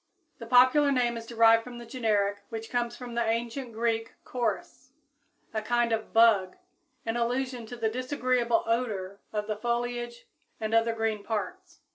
The popular name is derived from the generic, which comes from the ancient Greek Koris, a kind of bug, in allusion to the disagreeable odor of the foliage and other green parts.